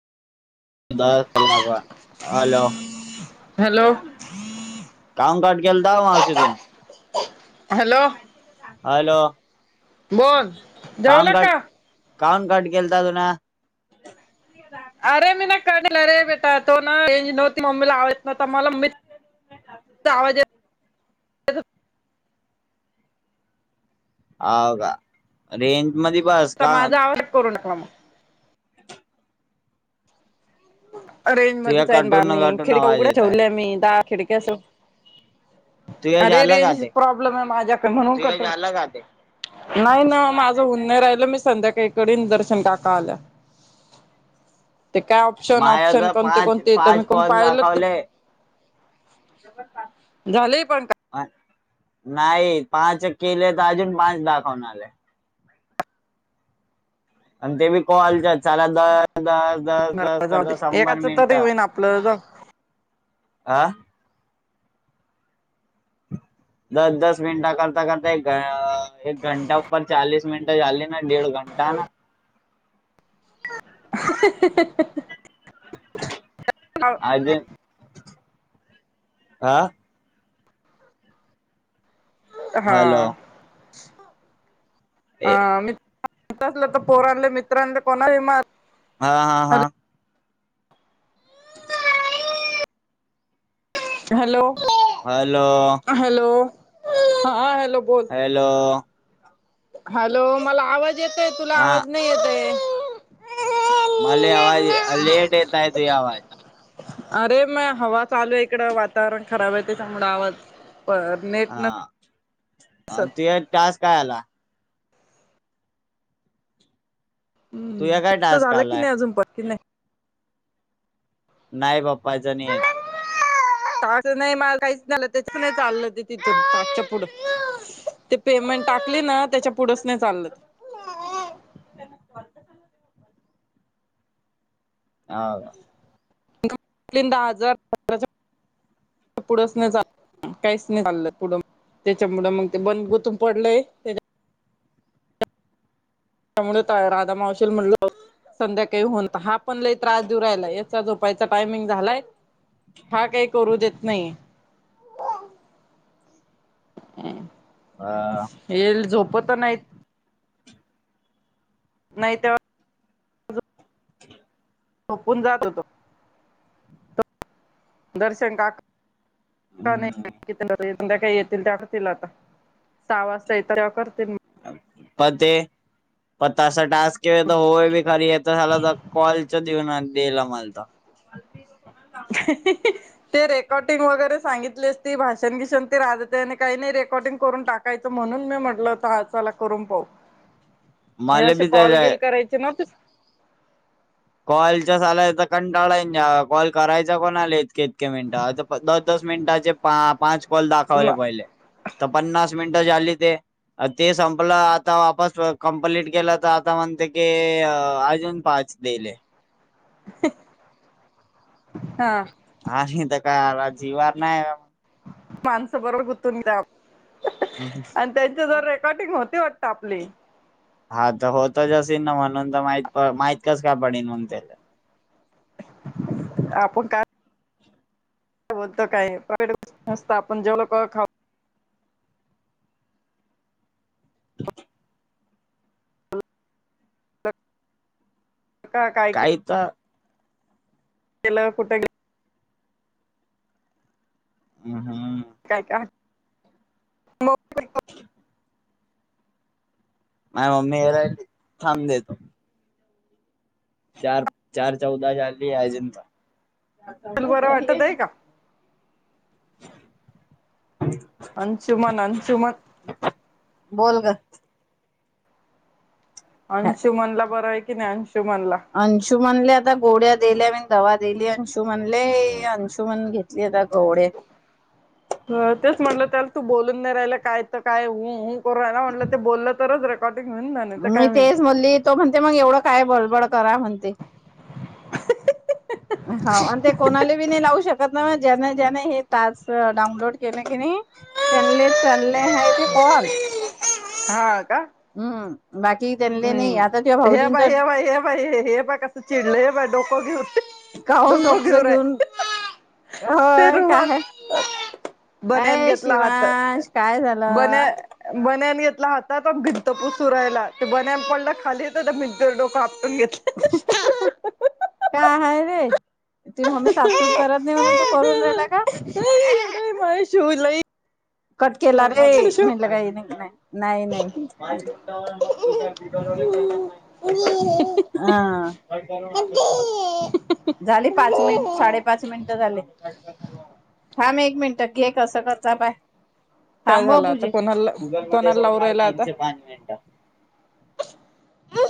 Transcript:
Hello hello काम काट केेलं द मशीथून हॅलो हॅलो बोल जेवला का काांगट कान काड केलता तु ना अरे मी ना कडेल अरे बेटा तो ना नव्हती मम्मीला आव न तर मला मित आवाज हो का रेंज म बस का कोर्णकला रेंज तुझ्या मध्येच आहे बा कटून म्ही कटून खिडक्या आवाज उघड्या येत आहे ठेवले मी दहा खिडक्या अस तुझ्या अरे झालं का रेंज ते प्रॉब्लेम आहे माझ्याक म्हणून नाही ना माझं होन राहिल मी संध्याकाळीक दर्शन काका आल्या काय ऑप्शन माझ्या ऑप्शन तर कोणते पाच कोणते तर मी पाच कोण फोन पाहिलं ते दाखवले झालेय पण का नाही पाच केले तर अजून पाच दाखवून आले आणि ते बी कलच्या ला द द दस दस काय जाऊ दे करज शंभर एकाच तरी मिनटं होईन आपलं ह दस दस मिनटा करता करता एक एक घंटापर चालीस मिनटं झाली नाही ड घंटा ना [unintelligible] [inaudible] [inaudible] हो अज हा हा हॅलो ए हा म असलं तर पोरांले मित्रांले कोणाही म हा हा हा हॅलो हॅलो हॅलो हा हॅलो ब हॅलो हॅलो मला आवाज येतंय तुला हा आवाज नाही येतंय. मला आवाज लेट येतय तु आवाज अरे मग हवा चालू आहे इकडं वातावरण खराब आहे त्याच्यामुं आवाज प नेट ना अआ ते टास्क काय आला. हम्म तुझ्या काय तर टास्क झालं की आलाय नाही अजून पण कि नाही. नाही बा पाचजणी आहेत. टास्क नाही मला काहीच नाही त्याच प नाही चाललं ते तिथून टास्कच्या पुढं ते पेमेंट टाकली ना त्याच्या पुढेच नाही चाललं. आ दहा हजार पुढंच नाही चा काहीच नाही चाललं पुढं म त्याच्यापुढ मग ते बंद गुथून पडलंय त्या त्यामुळे राधा मावशील म्हणलो. संध्याकाळी होऊन हा पण लय त्रास देऊ राहलाय याचा झोपायचा टायमिंग झालाय. हा काय काही करू देत नाही. हॅ आ ये ल झोपत नाहीत. नाही तेव्हा झोपून जातो तो तो दर्शन काका. का नाही. हम्म. केतन दादा संध्याकाळी येतील टाकतील आता सहा वाजता येत तेव्हा करतील. मते पताच असं टास्क केय तर होय बी खरी येत झाला तर कॉलच देऊन दिला मला तर [unintelligible] ते रेकॉर्डिंग वगैरे सांगितले असं ती भाषण भिषन ती राजते आणि काही नाही रेकॉर्डिंग करून टाकत. काय तर म्हणून मी म्हटलं ता हा चला करून पाहू. हे मला असे बी कॉल त्याला गेलं करायचे नव्हतेच. कॉलच्यास आलाय तर कंटाळा येणार कॉल करायचा कोणा आले इतके इतके मिनिट द मिनिटाचे पाच कॉल दाखवले पहिले तर पन्नास मिनिटाचे आली ते ते संपलं आता वापस कंप्लीट केल तर आता म्हणते की अजून पाच बेले हा आणि तर काय जीवार नाही. माणसं बरोबर गुंतून द्यात हम ह त्यांची जर रेकॉर्डिंग होती वाटतंय आपले. हा तर होतच असल ना म्हणून तर माह माहित काच काय पडन म्हून त्याला [inaudible] आपण काय? काय प्रट [inaudible] गोष्ट नसत आपण जेवण लोक खा क काय एकदा ते ला कुठं अ हम.. काय काय म [unintelligible] मम्मी हे थांब देतो चार चार चौदा झाली अजिंता चार मोबाईल चौदा बरं वाटत झालीये आहे का [inaudible] अंचुमन अंचुमन बोल गं अंशुमनला बरं आहे की नाही अंशुमनला अंशू म्हणले आता गोळ्या दिल्या मी दवा दिली अंशू म्हणले अंशु म्हन घेत चेहरा गोड आहे तेच म्हटलं त्याला तू बोलून नाही राहिला काय तर काय ह ह करू लागला ना म्हटलं ते बोललं तरच र कॉटीक मिळून जा मी काय होईल तेच म्हणली तो म्हणते मग एवढं काय बडबड करा म्हणते हौ आणि ते कोणाले बी नय लावू शकत [unintelligible] ज्यान ज्याने हे टास्क डाऊनलोड केलं की नी त्यांले त्यांले [unintelligible] कॉल हा का हम्म बाकी त्यांले नइ आता तेव्हा भाऊजींच बा हे हे बघ कस चिडलं हे बघ डोकं घेऊ काहून डोकं डोकस घेऊ राय घेऊन ते होय रुवाल काय बनेन अय घेतला हातात शिवांश काय बने झालं बनेन घेतला हातात अन् भिंत पुसू राहिला ते बनेन पडलं खाली हितं त्या भिंतीवर डोकं आपटून घेत काय हाय रे तू मम्मी साफसूफ करत नय म्हणून तू करून राहिला का माय शूज लई कट केला झालाय रे माझा शिव म्हटलं काही नाय नाही नाय नाही मिनिट हा झाली पाच मिनिट साडे पाच मिनिटं झाले थांब एक मिनिटं [unintelligible] काय थांब ह झालं आता पूजे कोणाला गगल मध्ये कोणाला समोर लावू माझ राहिला आता तीनशे पाच मिनिट